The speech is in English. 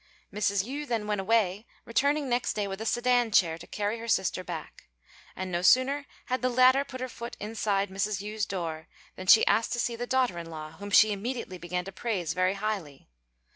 Mrs. Yü then went away, returning next day with a sedan chair to carry her sister back; and no sooner had the latter put her foot inside Mrs. Yü's door, than she asked to see the daughter in law, whom she immediately began to praise very highly.